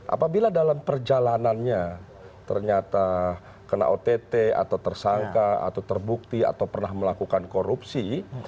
apabila dalam perjalanannya ternyata kena ott atau tersangka atau terbukti atau pernah melakukan korupsi